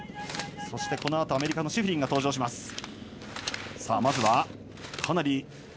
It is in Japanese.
このあと、アメリカのシフリンが登場します。